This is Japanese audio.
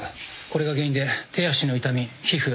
これが原因で手足の痛み皮膚